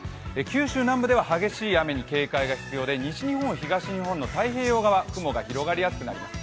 九州南部では激しい雨に警戒が必要で西日本、東日本の太平洋側雲が広がりやすくなっています。